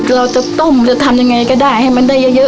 เราจะต้มหรือทำยังไงก็ได้ให้มันได้เยอะ